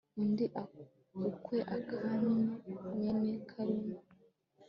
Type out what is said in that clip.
undi ukwe Akani mwene Karumi